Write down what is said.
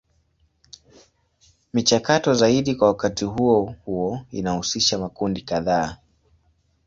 Michakato zaidi kwa wakati huo huo inahusisha makundi kadhaa.